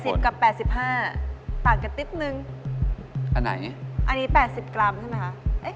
กับแปดสิบห้าต่างกันติ๊บนึงอันไหนอันนี้แปดสิบกรัมใช่ไหมคะ